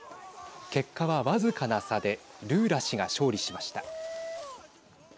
結果は僅かな差でルーラ氏が勝利しました。